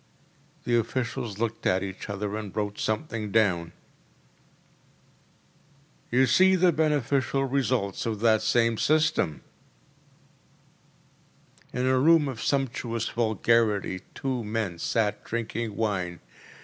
‚ÄĚ The officials looked at each other and wrote something down. “You see the beneficial results of that same system!‚ÄĚ In a room of sumptuous vulgarity two men sat drinking wine.